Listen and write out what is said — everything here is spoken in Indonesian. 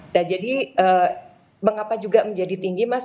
nah jadi mengapa juga menjadi tinggi mas